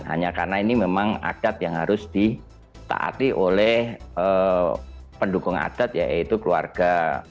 hanya karena ini memang adat yang harus ditaati oleh pendukung adat yaitu keluarga